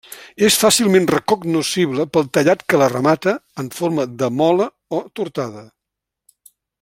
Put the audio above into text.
És fàcilment recognoscible pel tallat que la remata en forma de mola o tortada.